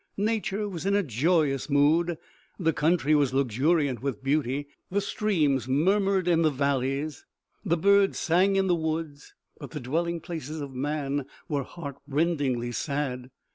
Nature was in a joyous mood, the country was luxuriant with beauty, the streams murmured in the valleys, the birds sang in the woods ; but the dwelling places of man were heartrendingly sad.